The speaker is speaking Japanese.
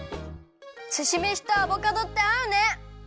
すしめしとアボカドってあうね！